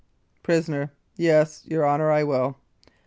PRISONER: Yes, your Honour, I will.